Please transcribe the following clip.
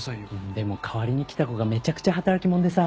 でも代わりに来た子がめちゃくちゃ働き者でさぁ。